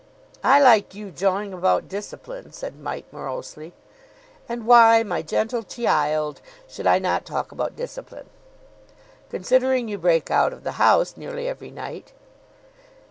"I like you jawing about discipline," said Mike morosely. "And why, my gentle che ild, should I not talk about discipline?" "Considering you break out of the house nearly every night."